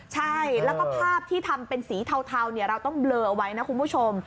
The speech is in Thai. ใช่แล้วก็ภาพที่ทำเป็นสีเทาเราต้องเบลอไว้นะคุณผู้ชม